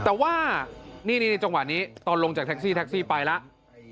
แต่ว่านี่จังหวะนี้ตอนลงจากแท็กซี่แท็กซี่ไปแล้ว